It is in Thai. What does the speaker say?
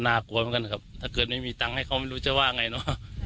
น่ากลัวมันกันถ้าเกิดไม่มีตังค์ให้เขาไม่รู้จะว่าไงนะ